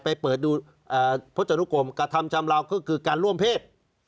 ไปเปิดดูพจนุกรมกระทำชำลาวก็คือการร่วมเพศ